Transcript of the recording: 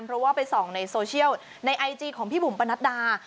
เพราะว่าไปส่องในโซเชียลในไอจีของพี่บุ๋มปนัดดา